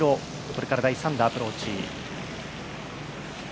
これから第３打、アプローチ。